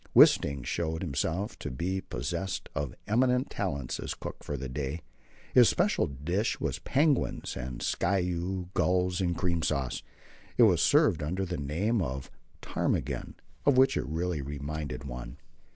Wisting showed himself to be possessed of eminent talents as cook for the day. His special dish was penguins and skua gulls in cream sauce. It was served under the name of ptarmigan, of which it really reminded one.